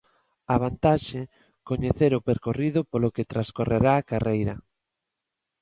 A vantaxe, coñecer o percorrido polo que transcorrerá a carreira.